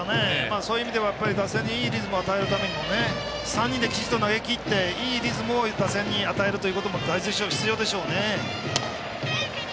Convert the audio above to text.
そういう意味では打線にいいリズムを与えるためには３人で、きちっと投げきっていいリズムを打線に与えるということも必要でしょうね。